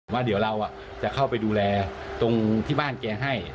ว่าเดี๋ยวเราจะเข้าไปดูแลตรงที่บ้านแกให้